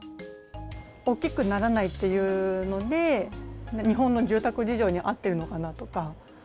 大きくならないというので、日本の住宅事情に合ってるのかなとか。